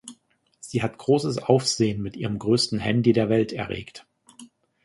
Sie hat großes Aufsehen mit ihrem „größten Handy der Welt“ erregt.